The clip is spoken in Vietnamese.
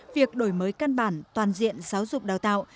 việc đổi mới căn bản toàn diện giáo dục đào tạo